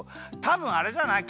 たぶんあれじゃない？